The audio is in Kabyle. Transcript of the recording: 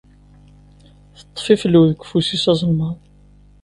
Teṭṭef iflew deg ufus-is azelmaḍ.